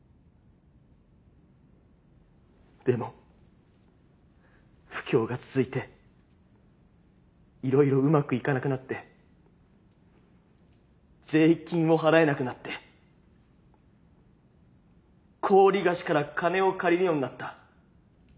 でも不況が続いて色々うまくいかなくなって税金を払えなくなって高利貸から金を借りるようになった。